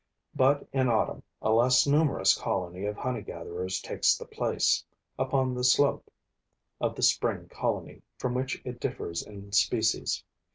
But in autumn a less numerous colony of honey gatherers takes the place, upon the slope, of the spring colony, from which it differs in species.